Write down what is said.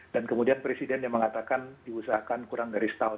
dan kemudian presiden yang mengatakan diusahakan kurang dari setahun